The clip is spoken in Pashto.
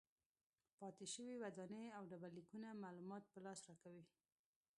پاتې شوې ودانۍ او ډبرلیکونه معلومات په لاس راکوي.